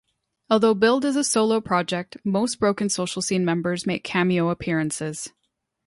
Although billed as a solo project, most Broken Social Scene members make cameo appearances.